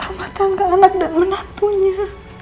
rumah tangga anak dan menatunya